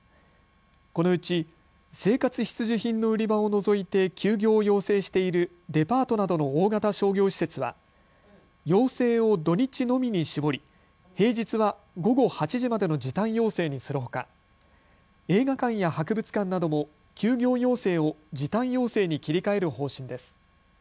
このうち生活必需品の売り場を除いて休業を要請しているデパートなどの大型商業施設は要請を土日のみに絞り、平日は午後８時までの時短要請にするほか映画館や博物館なども休業要請を時短要請に切り替える方針です。